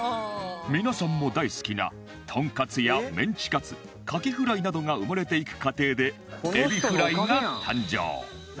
皆さんも大好きなトンカツやメンチカツカキフライなどが生まれていく過程でエビフライが誕生